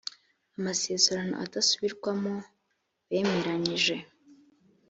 amasezerano adasubirwamo bemeranyije